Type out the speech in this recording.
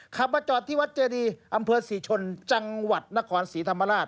ขับมาจอดที่วัดเจดีอำเภอศรีชนจังหวัดนครศรีธรรมราช